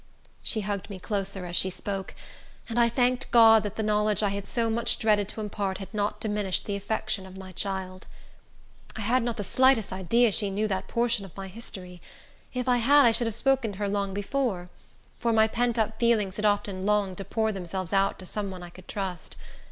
She hugged me closer as she spoke, and I thanked God that the knowledge I had so much dreaded to impart had not diminished the affection of my child. I had not the slightest idea she knew that portion of my history. If I had, I should have spoken to her long before; for my pent up feelings had often longed to pour themselves out to some one I could trust.